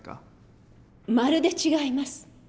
まるで違います。